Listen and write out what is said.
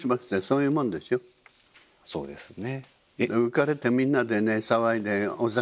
そうですね。